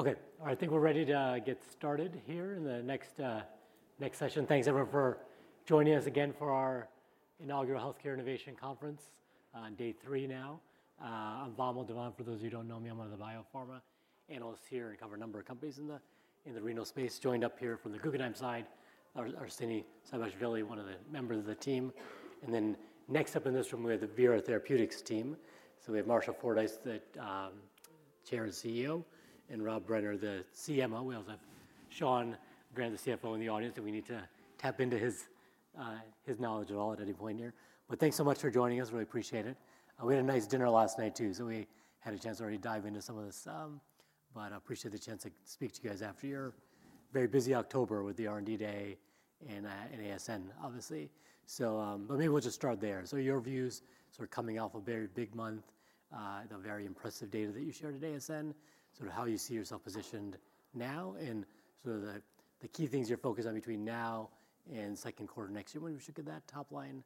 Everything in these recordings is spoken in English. Okay. All right. I think we're ready to get started here in the next session. Thanks, everyone, for joining us again for our inaugural Healthcare Innovation Conference, day three now. I'm Vamil Divan. For those of you who don't know me, I'm one of the biopharma analysts here and cover a number of companies in the renal space. Joined up here from the Guggenheim side, our Cinney Sebbag-Ville, one of the members of the team. And then next up in this room, we have the Vera Therapeutics team. So we have Marshall Fordyce, the Chair and CEO, and Rob Brenner, the CMO. We also have Sean Grant, the CFO, in the audience, and we need to tap into his knowledge at all at any point here. But thanks so much for joining us. Really appreciate it. We had a nice dinner last night, too, so we had a chance to already dive into some of this, but I appreciate the chance to speak to you guys after your very busy October with the R&D Day and ASN, obviously, but maybe we'll just start there, so your views sort of coming off a very big month, the very impressive data that you shared at ASN, sort of how you see yourself positioned now, and sort of the key things you're focused on between now and second quarter next year. Maybe we should get that top line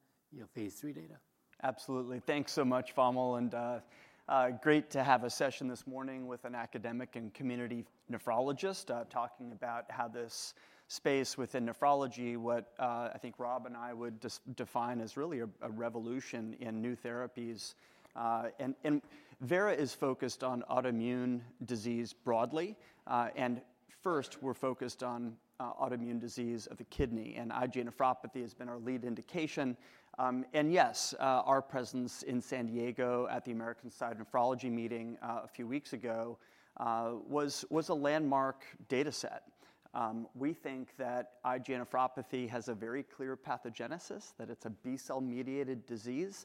phase III data. Absolutely. Thanks so much, Vamil. Great to have a session this morning with an academic and community nephrologist talking about how this space within nephrology, what I think Rob and I would define as really a revolution in new therapies. Vera is focused on autoimmune disease broadly. First, we're focused on autoimmune disease of the kidney. IgA nephropathy has been our lead indication. Yes, our presence in San Diego at the American Society of Nephrology meeting a few weeks ago was a landmark data set. We think that IgA nephropathy has a very clear pathogenesis, that it's a B-cell mediated disease.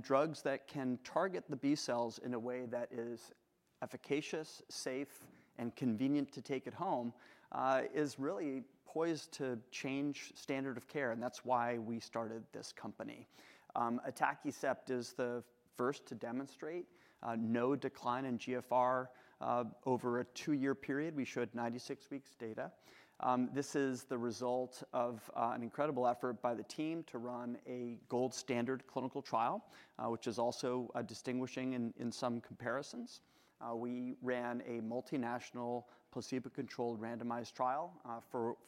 Drugs that can target the B cells in a way that is efficacious, safe, and convenient to take it home is really poised to change standard of care. That's why we started this company. Atacicept is the first to demonstrate no decline in GFR over a two-year period. We showed 96 weeks' data. This is the result of an incredible effort by the team to run a gold standard clinical trial, which is also distinguishing in some comparisons. We ran a multinational placebo-controlled randomized trial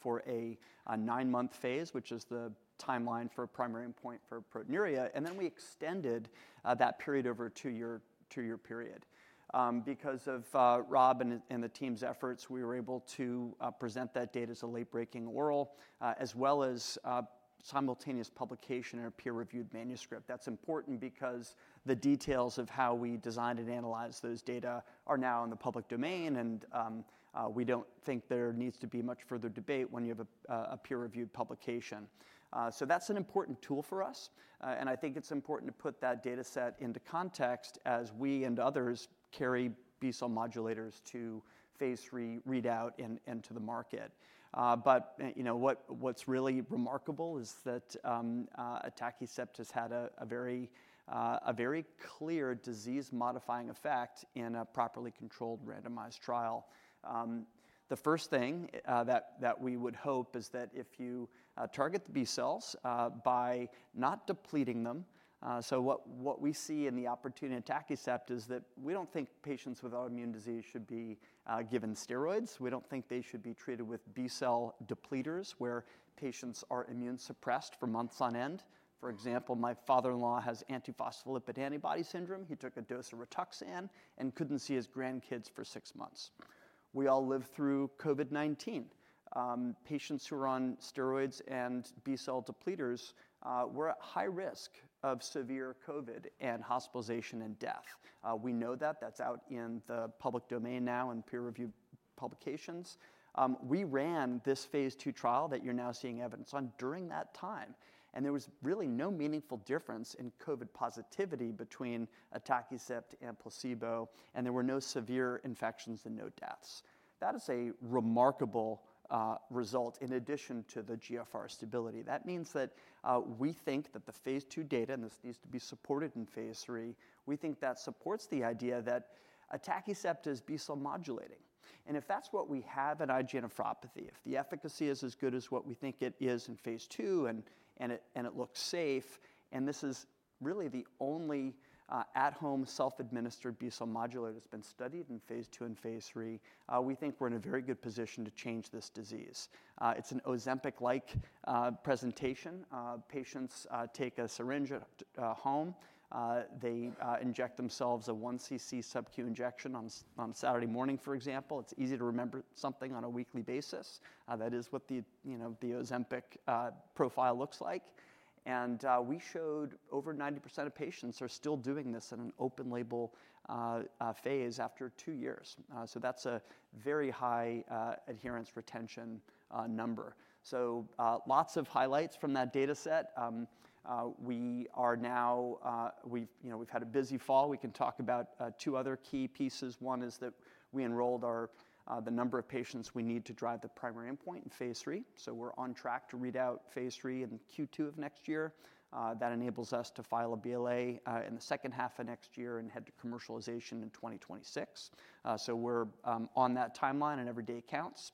for a nine-month phase, which is the timeline for a primary endpoint for proteinuria, and then we extended that period over a two-year period. Because of Rob and the team's efforts, we were able to present that data as a late-breaking oral as well as simultaneous publication in a peer-reviewed manuscript. That's important because the details of how we designed and analyzed those data are now in the public domain, and we don't think there needs to be much further debate when you have a peer-reviewed publication, so that's an important tool for us. I think it's important to put that data set into context as we and others carry B-cell modulators to phase III readout and to the market. What's really remarkable is that atacicept has had a very clear disease-modifying effect in a properly controlled randomized trial. The first thing that we would hope is that if you target the B cells by not depleting them, so what we see in the opportunity in atacicept is that we don't think patients with autoimmune disease should be given steroids. We don't think they should be treated with B-cell depleters where patients are immune suppressed for months on end. For example, my father-in-law has antiphospholipid antibody syndrome. He took a dose of Rituxan and couldn't see his grandkids for six months. We all lived through COVID-19. Patients who were on steroids and B-cell depleters were at high risk of severe COVID and hospitalization and death. We know that. That's out in the public domain now in peer-reviewed publications. We ran this phase II trial that you're now seeing evidence on during that time. And there was really no meaningful difference in COVID positivity between atacicept and placebo. And there were no severe infections and no deaths. That is a remarkable result in addition to the GFR stability. That means that we think that the phase II data, and this needs to be supported in phase III, we think that supports the idea that atacicept is B-cell modulating. If that's what we have in IgA nephropathy, if the efficacy is as good as what we think it is in phase II and it looks safe, and this is really the only at-home self-administered B-cell modulator that's been studied in phase II and phase III, we think we're in a very good position to change this disease. It's an Ozempic-like presentation. Patients take a syringe at home. They inject themselves a 1 cc subcu injection on Saturday morning, for example. It's easy to remember something on a weekly basis. That is what the Ozempic profile looks like. We showed over 90% of patients are still doing this in an open-label phase after two years. That's a very high adherence retention number. Lots of highlights from that data set. We are now. We've had a busy fall. We can talk about two other key pieces. One is that we enrolled the number of patients we need to drive the primary endpoint in phase III, so we're on track to read out phase III in Q2 of next year. That enables us to file a BLA in the second half of next year and head to commercialization in 2026, so we're on that timeline and every day counts,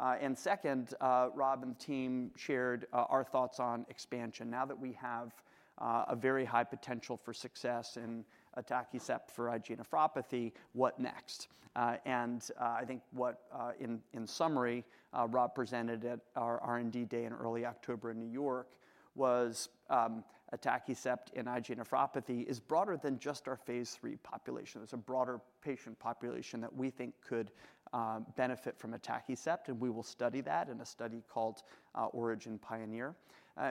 and second, Rob and the team shared our thoughts on expansion. Now that we have a very high potential for success in atacicept for IgA nephropathy, what next? And I think what in summary, Rob presented at our R&D day in early October in New York was atacicept in IgA nephropathy is broader than just our phase III population. There's a broader patient population that we think could benefit from atacicept, and we will study that in a study called ORIGIN PIONEER.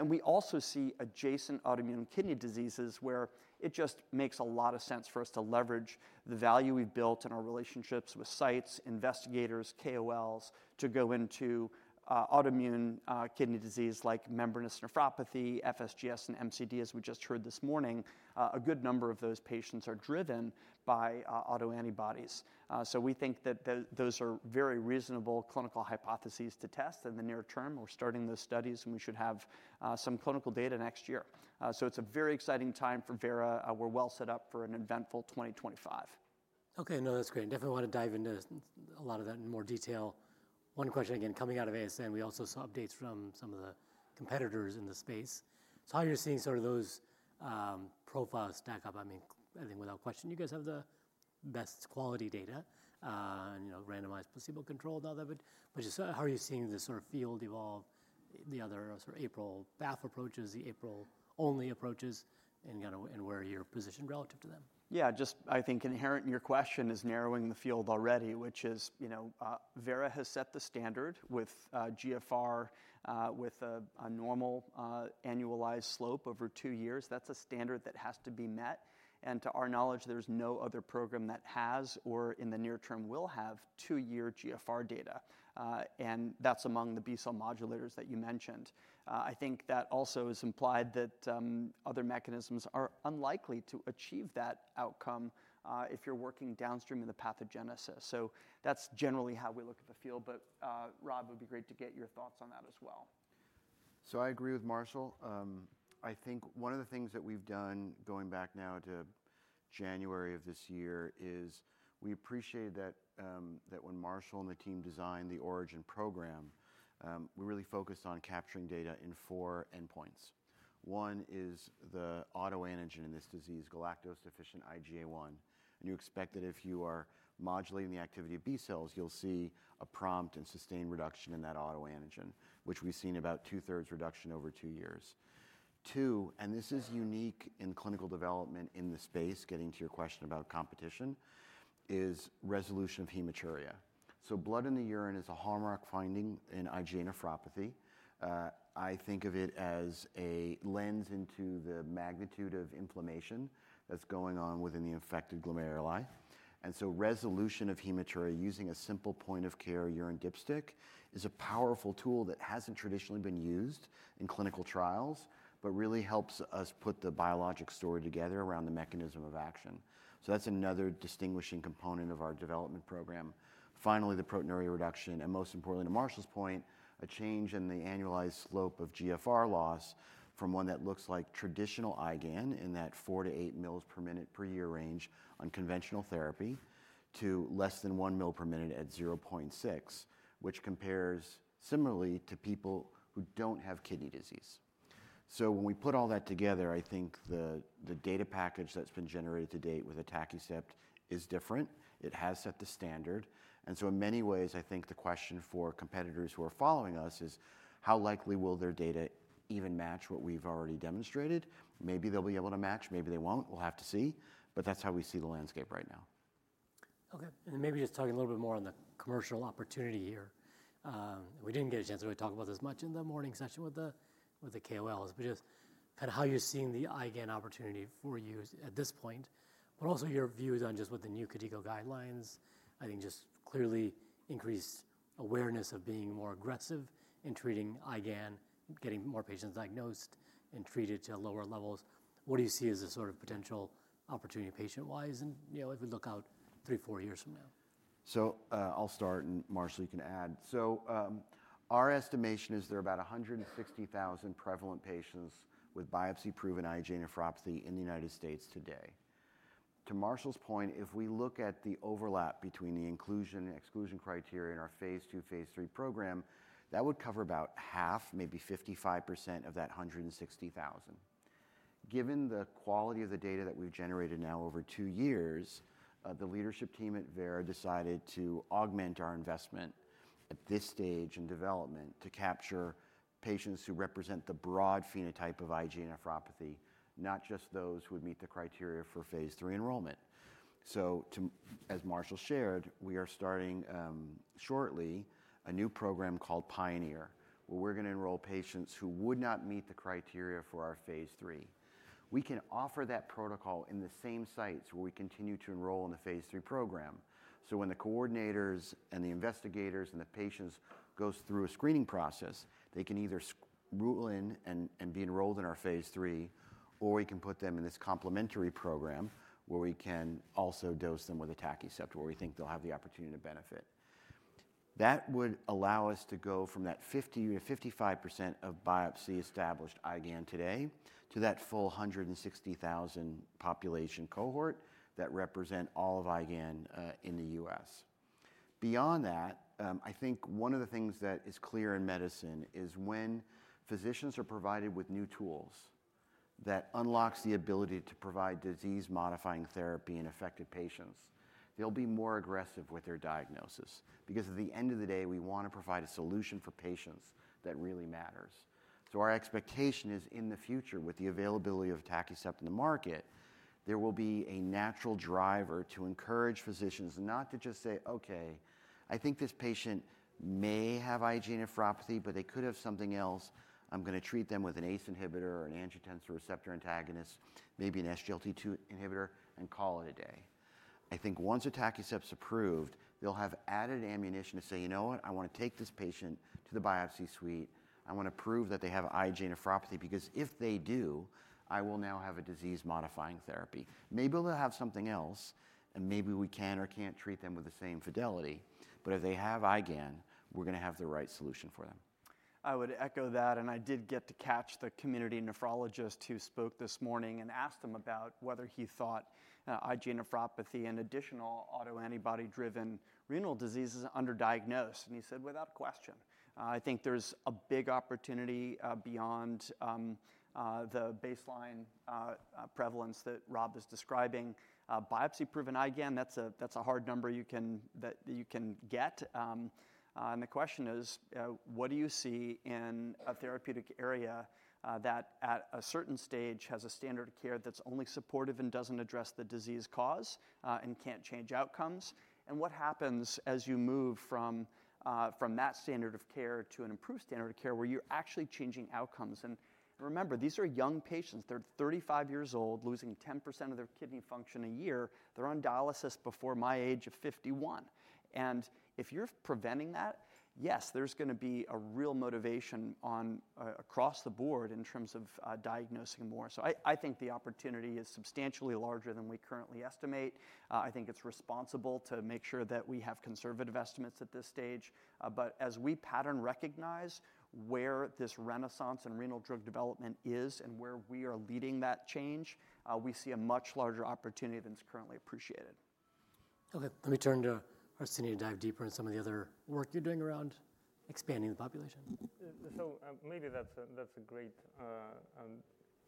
We also see adjacent autoimmune kidney diseases where it just makes a lot of sense for us to leverage the value we've built in our relationships with sites, investigators, KOLs to go into autoimmune kidney disease like membranous nephropathy, FSGS, and MCD, as we just heard this morning. A good number of those patients are driven by autoantibodies. So we think that those are very reasonable clinical hypotheses to test in the near term. We're starting those studies, and we should have some clinical data next year. So it's a very exciting time for Vera. We're well set up for an eventful 2025. Okay. No, that's great. Definitely want to dive into a lot of that in more detail. One question again, coming out of ASN, we also saw updates from some of the competitors in the space. So how are you seeing sort of those profiles stack up? I mean, I think without question, you guys have the best quality data, randomized placebo-controlled and all that. But just how are you seeing this sort of field evolve, the other sort of APRIL/BAFF approaches, the APRIL-only approaches, and kind of where you're positioned relative to them? Yeah, just I think inherent in your question is narrowing the field already, which is Vera has set the standard with GFR with a normal annualized slope over two years. That's a standard that has to be met. And to our knowledge, there's no other program that has or in the near term will have two-year GFR data. And that's among the B-cell modulators that you mentioned. I think that also has implied that other mechanisms are unlikely to achieve that outcome if you're working downstream in the pathogenesis. So that's generally how we look at the field. But Rob, it would be great to get your thoughts on that as well. I agree with Marshall. I think one of the things that we've done going back now to January of this year is we appreciate that when Marshall and the team designed the ORIGIN program, we really focused on capturing data in four endpoints. One is the autoantigen in this disease, galactose-deficient IgA1. And you expect that if you are modulating the activity of B cells, you'll see a prompt and sustained reduction in that autoantigen, which we've seen about two-thirds reduction over two years. Two, and this is unique in clinical development in the space, getting to your question about competition, is resolution of hematuria. Blood in the urine is a hallmark finding in IgA nephropathy. I think of it as a lens into the magnitude of inflammation that's going on within the infected glomeruli. And so resolution of hematuria using a simple point-of-care urine dipstick is a powerful tool that hasn't traditionally been used in clinical trials, but really helps us put the biologic story together around the mechanism of action. So that's another distinguishing component of our development program. Finally, the proteinuria reduction. And most importantly, to Marshall's point, a change in the annualized slope of GFR loss from one that looks like traditional IgAN in that four to eight mL per minute per year range on conventional therapy to less than one mL per minute at 0.6, which compares similarly to people who don't have kidney disease. So when we put all that together, I think the data package that's been generated to date with atacicept is different. It has set the standard. And so in many ways, I think the question for competitors who are following us is how likely will their data even match what we've already demonstrated? Maybe they'll be able to match. Maybe they won't. We'll have to see. But that's how we see the landscape right now. Okay. And maybe just talking a little bit more on the commercial opportunity here. We didn't get a chance to really talk about this much in the morning session with the KOLs, but just kind of how you're seeing the IgAN opportunity for you at this point, but also your views on just what the new KDIGO guidelines, I think, just clearly increased awareness of being more aggressive in treating IgAN, getting more patients diagnosed and treated to lower levels. What do you see as a sort of potential opportunity patient-wise and if we look out three, four years from now? So I'll start, and Marshall, you can add. Our estimation is there are about 160,000 prevalent patients with biopsy-proven IgA nephropathy in the United States today. To Marshall's point, if we look at the overlap between the inclusion and exclusion criteria in our phase two, phase III program, that would cover about half, maybe 55% of that 160,000. Given the quality of the data that we've generated now over two years, the leadership team at Vera decided to augment our investment at this stage in development to capture patients who represent the broad phenotype of IgA nephropathy, not just those who would meet the criteria for phase III enrollment. So as Marshall shared, we are starting shortly a new program called PIONEER where we're going to enroll patients who would not meet the criteria for our phase III. We can offer that protocol in the same sites where we continue to enroll in the phase III program. So when the coordinators and the investigators and the patients go through a screening process, they can either rule in and be enrolled in our phase III, or we can put them in this complementary program where we can also dose them with atacicept where we think they'll have the opportunity to benefit. That would allow us to go from that 50%-55% of biopsy-established IgAN today to that full 160,000 population cohort that represent all of IgAN in the U.S. Beyond that, I think one of the things that is clear in medicine is when physicians are provided with new tools that unlock the ability to provide disease-modifying therapy in affected patients, they'll be more aggressive with their diagnosis. Because at the end of the day, we want to provide a solution for patients that really matters. So our expectation is in the future, with the availability of atacicept in the market, there will be a natural driver to encourage physicians not to just say, "Okay, I think this patient may have IgA nephropathy, but they could have something else. I'm going to treat them with an ACE inhibitor or an angiotensin receptor antagonist, maybe an SGLT2 inhibitor, and call it a day." I think once atacicept's approved, they'll have added ammunition to say, "You know what? I want to take this patient to the biopsy suite. I want to prove that they have IgA nephropathy because if they do, I will now have a disease-modifying therapy." Maybe they'll have something else, and maybe we can or can't treat them with the same fidelity. But if they have IgAN, we're going to have the right solution for them. I would echo that. And I did get to catch the community nephrologist who spoke this morning and asked him about whether he thought IgA nephropathy and additional autoantibody-driven renal diseases are underdiagnosed. And he said, "Without question. I think there's a big opportunity beyond the baseline prevalence that Rob is describing. Biopsy-proven IgAN, that's a hard number you can get." And the question is, what do you see in a therapeutic area that at a certain stage has a standard of care that's only supportive and doesn't address the disease cause and can't change outcomes? And what happens as you move from that standard of care to an improved standard of care where you're actually changing outcomes? And remember, these are young patients. They're 35 years old, losing 10% of their kidney function a year. They're on dialysis before my age of 51. And if you're preventing that, yes, there's going to be a real motivation across the board in terms of diagnosing more. So I think the opportunity is substantially larger than we currently estimate. I think it's responsible to make sure that we have conservative estimates at this stage. But as we pattern recognize where this renaissance in renal drug development is and where we are leading that change, we see a much larger opportunity than is currently appreciated. Okay. Let me turn to Arsenio to dive deeper in some of the other work you're doing around expanding the population. So maybe that's a great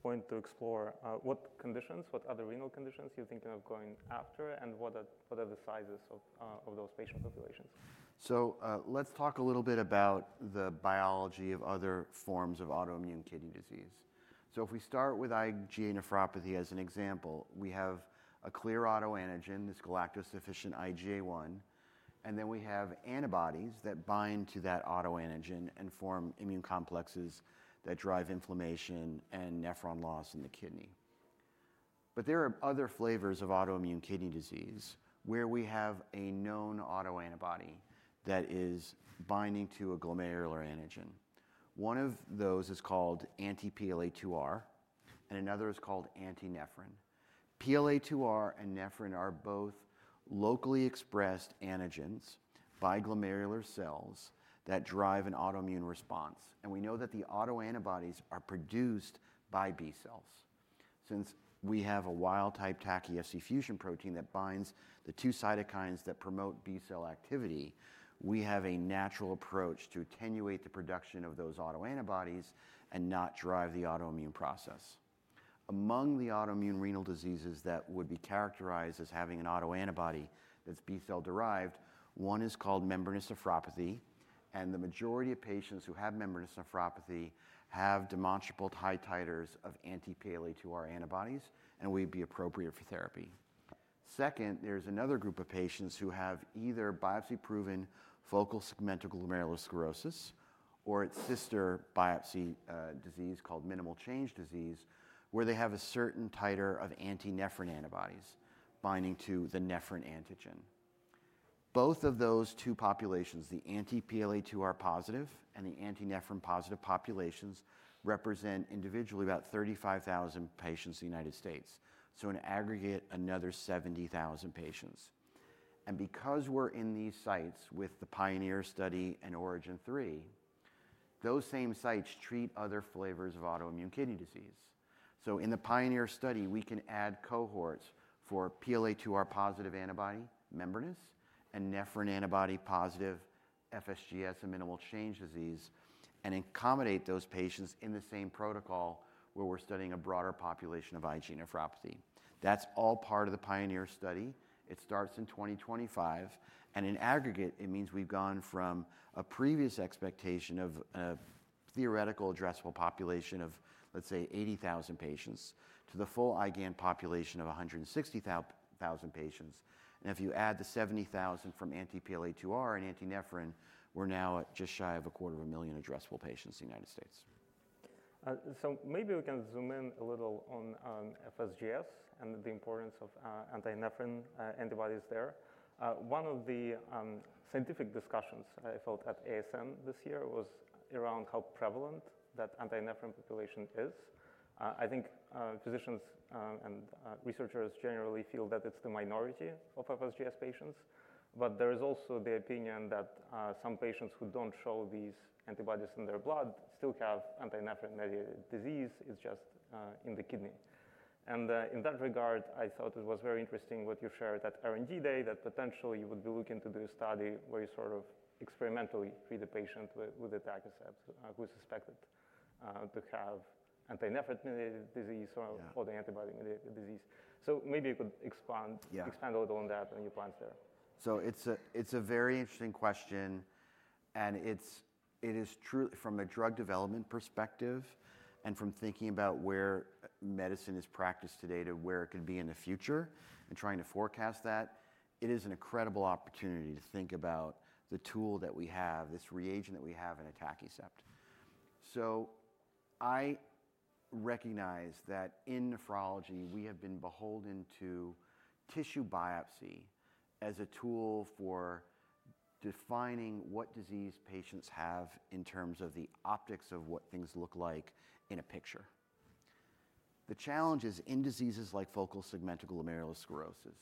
point to explore. What conditions, what other renal conditions you're thinking of going after, and what are the sizes of those patient populations? So let's talk a little bit about the biology of other forms of autoimmune kidney disease. So if we start with IgA nephropathy as an example, we have a clear autoantigen, this galactose-deficient IgA1. And then we have antibodies that bind to that autoantigen and form immune complexes that drive inflammation and nephron loss in the kidney. But there are other flavors of autoimmune kidney disease where we have a known autoantibody that is binding to a glomerular antigen. One of those is called anti-PLA2R, and another is called anti-nephrin. PLA2R and nephrin are both locally expressed antigens by glomerular cells that drive an autoimmune response. And we know that the autoantibodies are produced by B cells. Since we have a wild-type atacicept fusion protein that binds the two cytokines that promote B cell activity, we have a natural approach to attenuate the production of those autoantibodies and not drive the autoimmune process. Among the autoimmune renal diseases that would be characterized as having an autoantibody that's B cell derived, one is called membranous nephropathy, and the majority of patients who have membranous nephropathy have demonstrable high titers of anti-PLA2R antibodies, and we'd be appropriate for therapy. Second, there's another group of patients who have either biopsy-proven focal segmental glomerulosclerosis or its sister biopsy disease called minimal change disease where they have a certain titer of anti-nephrin antibodies binding to the nephrin antigen. Both of those two populations, the anti-PLA2R positive and the anti-nephrin positive populations represent individually about 35,000 patients in the United States, so in aggregate, another 70,000 patients. Because we're in these sites with the PIONEER study and ORIGIN 3, those same sites treat other flavors of autoimmune kidney disease. In the PIONEER study, we can add cohorts for anti-PLA2R positive membranous and anti-nephrin positive FSGS and minimal change disease and accommodate those patients in the same protocol where we're studying a broader population of IgA nephropathy. That's all part of the PIONEER study. It starts in 2025. In aggregate, it means we've gone from a previous expectation of a theoretical addressable population of, let's say, 80,000 patients to the full IgAN population of 160,000 patients. And if you add the 70,000 from anti-PLA2R and anti-nephrin, we're now just shy of a quarter of a million addressable patients in the United States. So maybe we can zoom in a little on FSGS and the importance of anti-nephrin antibodies there. One of the scientific discussions I felt at ASN this year was around how prevalent that anti-nephrin population is. I think physicians and researchers generally feel that it's the minority of FSGS patients. But there is also the opinion that some patients who don't show these antibodies in their blood still have anti-nephrin disease. It's just in the kidney. And in that regard, I thought it was very interesting what you shared at R&D day that potentially you would be looking to do a study where you sort of experimentally treat a patient with atacicept who is suspected to have anti-nephrin disease or antibody disease. So maybe you could expand a little on that and your plans there. So it's a very interesting question. And it is truly from a drug development perspective and from thinking about where medicine is practiced today to where it could be in the future and trying to forecast that, it is an incredible opportunity to think about the tool that we have, this reagent that we have in atacicept. So I recognize that in nephrology, we have been beholden to tissue biopsy as a tool for defining what disease patients have in terms of the optics of what things look like in a picture. The challenge is in diseases like focal segmental glomerulosclerosis,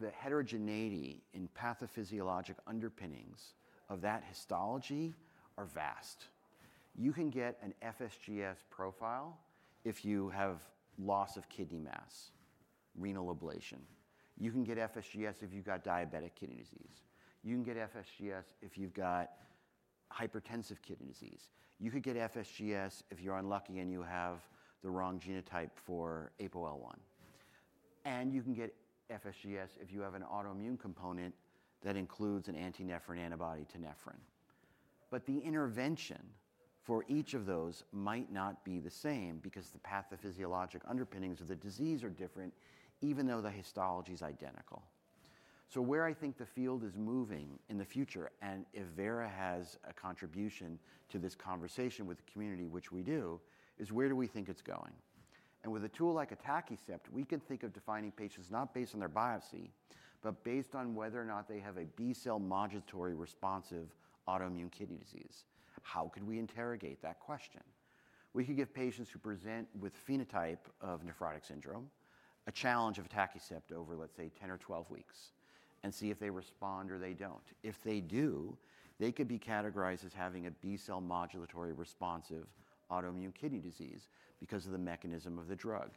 the heterogeneity in pathophysiologic underpinnings of that histology are vast. You can get an FSGS profile if you have loss of kidney mass, renal ablation. You can get FSGS if you've got diabetic kidney disease. You can get FSGS if you've got hypertensive kidney disease. You could get FSGS if you're unlucky and you have the wrong genotype for APOL1. And you can get FSGS if you have an autoimmune component that includes an anti-nephrin antibody to nephrin. But the intervention for each of those might not be the same because the pathophysiologic underpinnings of the disease are different, even though the histology is identical. So where I think the field is moving in the future, and if Vera has a contribution to this conversation with the community, which we do, is where do we think it's going? And with a tool like atacicept, we can think of defining patients not based on their biopsy, but based on whether or not they have a B cell modulatory responsive autoimmune kidney disease. How could we interrogate that question? We could give patients who present with phenotype of nephrotic syndrome a challenge of atacicept over, let's say, 10 or 12 weeks and see if they respond or they don't. If they do, they could be categorized as having a B cell modulatory responsive autoimmune kidney disease because of the mechanism of the drug.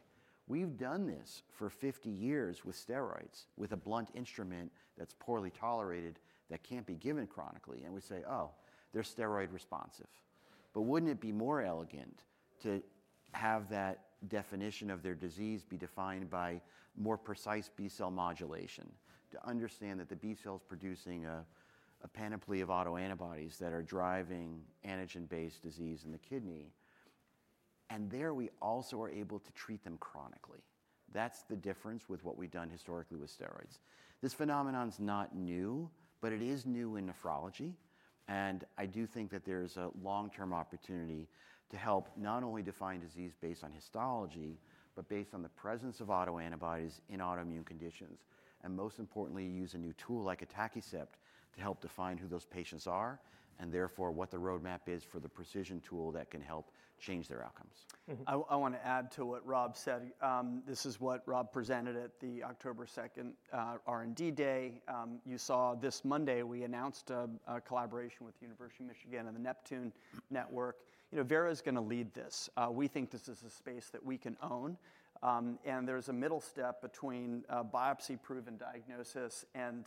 We've done this for 50 years with steroids with a blunt instrument that's poorly tolerated that can't be given chronically, and we say, "Oh, they're steroid responsive." But wouldn't it be more elegant to have that definition of their disease be defined by more precise B cell modulation to understand that the B cell is producing a panoply of autoantibodies that are driving antigen-based disease in the kidney? And there we also are able to treat them chronically. That's the difference with what we've done historically with steroids. This phenomenon is not new, but it is new in nephrology. I do think that there is a long-term opportunity to help not only define disease based on histology, but based on the presence of autoantibodies in autoimmune conditions. Most importantly, use a new tool like atacicept to help define who those patients are and therefore what the roadmap is for the precision tool that can help change their outcomes. I want to add to what Rob said. This is what Rob presented at the October 2nd R&D day. You saw this Monday we announced a collaboration with the University of Michigan and the NEPTUNE Network. Vera is going to lead this. We think this is a space that we can own. And there's a middle step between biopsy-proven diagnosis and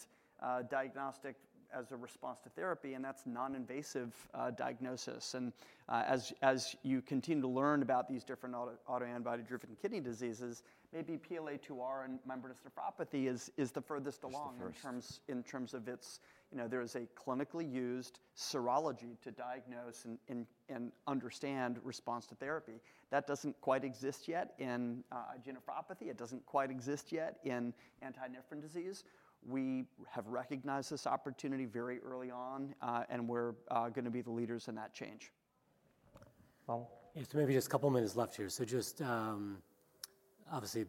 diagnostic as a response to therapy. And that's non-invasive diagnosis. And as you continue to learn about these different autoantibody-driven kidney diseases, maybe PLA2R and membranous nephropathy is the furthest along in terms of it's there is a clinically used serology to diagnose and understand response to therapy. That doesn't quite exist yet in IgA nephropathy. It doesn't quite exist yet in anti-nephrin disease. We have recognized this opportunity very early on, and we're going to be the leaders in that change. Well, yeah, so maybe just a couple of minutes left here. So just obviously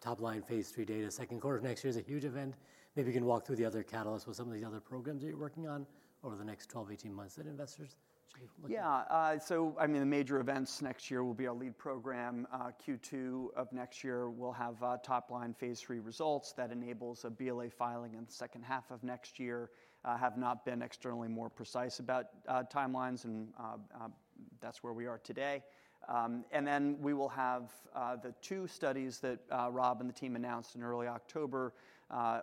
top line phase III data, second quarter of next year is a huge event. Maybe you can walk through the other catalysts with some of these other programs that you're working on over the next 12-18 months that investors should be looking at. Yeah. So I mean, the major events next year will be our lead program. Q2 of next year, we'll have top line phase III results that enables a BLA filing in the second half of next year. I have not been externally more precise about timelines, and that's where we are today, and then we will have the two studies that Rob and the team announced in early October,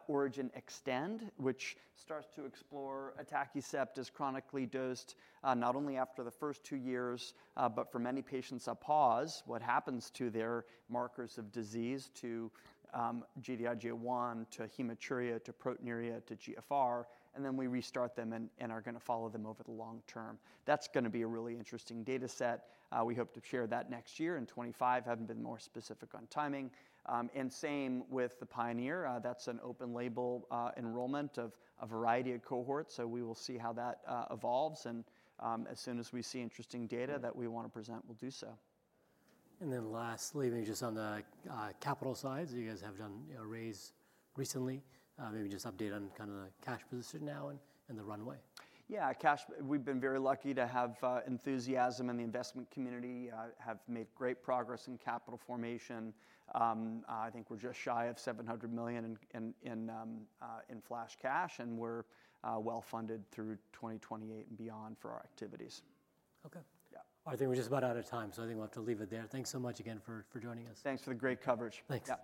ORIGIN Extend, which starts to explore atacicept as chronically dosed not only after the first two years, but for many patients a pause, what happens to their markers of disease to Gd-IgA1, to hematuria, to proteinuria, to GFR, and then we restart them and are going to follow them over the long term. That's going to be a really interesting data set. We hope to share that next year in 2025. Haven't been more specific on timing. And same with the PIONEER. That's an open label enrollment of a variety of cohorts. So we will see how that evolves. And as soon as we see interesting data that we want to present, we'll do so. And then lastly, maybe just on the capital side, you guys have done a raise recently. Maybe just update on kind of the cash position now and the runway? Yeah, cash. We've been very lucky to have enthusiasm in the investment community, have made great progress in capital formation. I think we're just shy of $700 million in cash. And we're well funded through 2028 and beyond for our activities. Okay. I think we're just about out of time. So I think we'll have to leave it there. Thanks so much again for joining us. Thanks for the great coverage. Thanks.